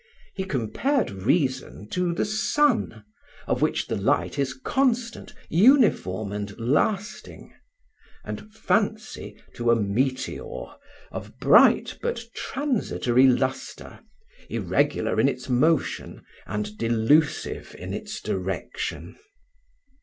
He compared reason to the sun, of which the light is constant, uniform, and lasting; and fancy to a meteor, of bright but transitory lustre, irregular in its motion and delusive in its direction.